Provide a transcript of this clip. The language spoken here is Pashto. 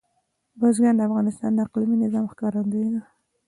بزګان د افغانستان د اقلیمي نظام ښکارندوی ده.